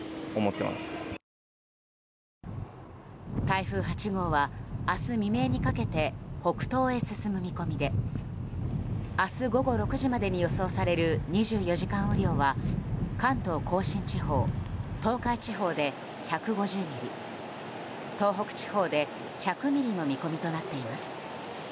台風８号は明日未明にかけて北東へ進む見込みで明日午後６時までに予想される２４時間雨量は関東・甲信地方東海地方で１５０ミリ東北地方で１００ミリの見込みとなっています。